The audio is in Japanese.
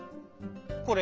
これ。